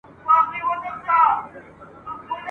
ته هم چایې په توده غېږ کي نیولی؟ ..